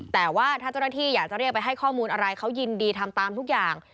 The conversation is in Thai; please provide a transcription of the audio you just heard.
แต่ว่าถ้าเจ้าหน้าที่อยากจะเรียกไปให้ข้อมูลอะไรเขายินดีทำตามทุกอย่าง